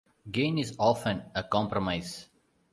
Gain is often a compromise.